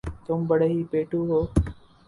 تم بڑے ہی پیٹُو ہو